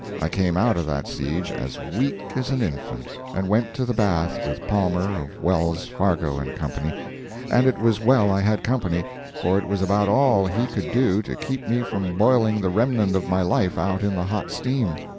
I came out of that siege as weak as an infant, and went to the bath with Palmer, of Wells, Fargo & Co., and it was well I had company, for it was about all he could do to keep me from boiling the remnant of my life out in the hot steam.